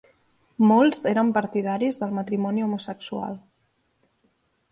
Molts eren partidaris del matrimoni homosexual.